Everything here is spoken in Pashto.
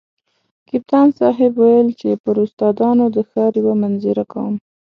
کپتان صاحب ویل چې پر استادانو د ښار یوه منظره کوم.